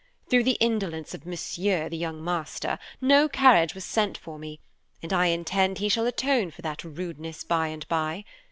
Through the indolence of Monsieur the young master, no carriage was sent for me, and I intend he shall atone for that rudeness by and by.